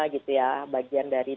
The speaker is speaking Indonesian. gitu ya bagian dari